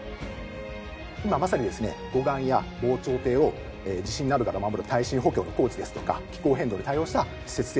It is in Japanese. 今まさにですね護岸や防潮堤を地震などから守る耐震補強の工事ですとか気候変動に対応した施設整備